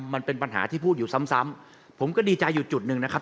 มันเป็นปัญหาที่พูดอยู่ซ้ำซ้ำผมก็ดีใจอยู่จุดหนึ่งนะครับ